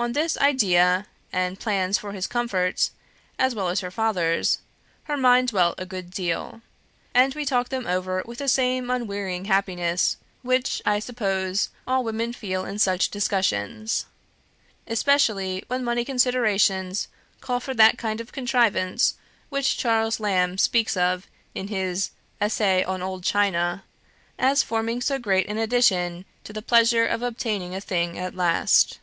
On this idea, and plans for his comfort, as well as her father's, her mind dwelt a good deal; and we talked them over with the same unwearying happiness which, I suppose, all women feel in such discussions especially when money considerations call for that kind of contrivance which Charles Lamb speaks of in his Essay on Old China, as forming so great an addition to the pleasure of obtaining a thing at last.